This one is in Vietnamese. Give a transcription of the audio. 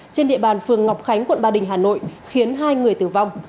trên địa bàn phường ngọc khánh quận ba đình hà nội khiến hai người tử vong